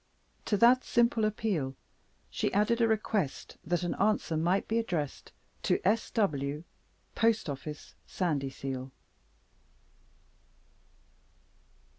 To that simple appeal, she added a request that an answer might be addressed to "S.W., Post office, Sandyseal."